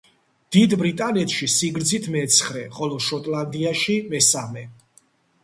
დიდ ბრიტანეთში სიგრძით მეცხრე, ხოლო შოტლანდიაში მესამე.